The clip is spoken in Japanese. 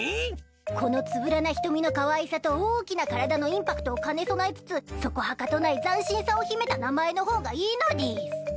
このつぶらな瞳のかわいさと大きな体のインパクトを兼ね備えつつそこはかとない斬新さを秘めた名前の方がいいのでぃす。